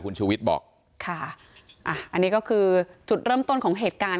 นี่ก็คือจุดเริ่มต้นของเหตุการณ์